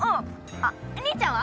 あっ兄ちゃんは？